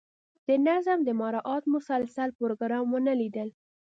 د نظم د مراعات مسلسل پروګرام ونه لیدل.